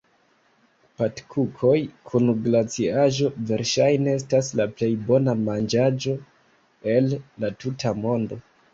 Patkukoj kun glaciaĵo, verŝajne estas la plej bona manĝaĵo el la tuta mondo.